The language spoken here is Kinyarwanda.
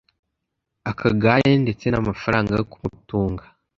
akagare ndetse n amafaranga yo kumutunga